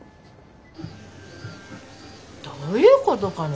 どういうことかね？